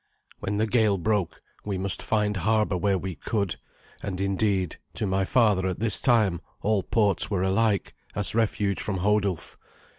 When the gale broke, we must find harbour where we could; and indeed; to my father at this time all ports were alike, as refuge from Hodulf.